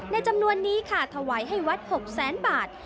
จำนวนนี้ค่ะถวายให้วัด๖แสนบาท